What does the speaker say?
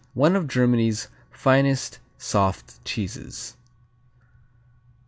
One of Germany's finest soft cheeses.